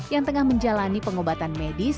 yang tengah menjalani pengobatan medis